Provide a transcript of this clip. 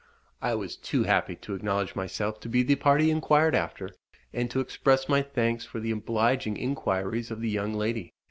I was too happy to acknowledge myself to be the party inquired after, and to express my thanks for the obliging inquiries of the young lady.